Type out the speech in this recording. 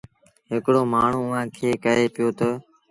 هڪڙو مآڻهوٚٚݩ اُئآݩ کي ڪهي پيو تا